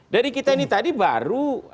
dari kita ini tadi baru